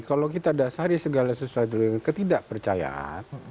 kalau kita dasari segala sesuai dengan ketidakpercayaan